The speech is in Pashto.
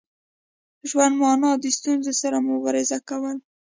ژوند مانا د ستونزو سره مبارزه کول.